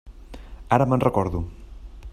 Ara me'n recordo.